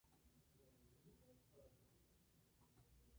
Sacramento, es una importante avenida de la capital paraguaya, Asunción.